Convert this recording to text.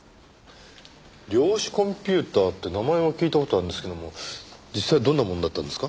量子コンピューターって名前は聞いた事あるんですけども実際どんなものだったんですか？